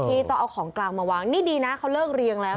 ที่ต้องเอาของกลางมาวางนี่ดีนะเขาเลิกเรียงแล้ว